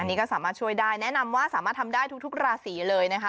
อันนี้ก็สามารถช่วยได้แนะนำว่าสามารถทำได้ทุกราศีเลยนะคะ